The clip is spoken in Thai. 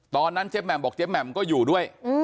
ตอนนั้นเจ๊แหม่มบอกเจ๊แหม่มก็อยู่ด้วย